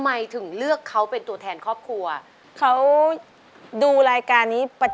แล้วพอได้เขาก็ดีใจแล้วก็ได้จริง